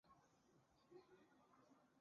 大衡村。